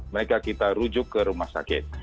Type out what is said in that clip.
mereka kita rujuk ke rumah sakit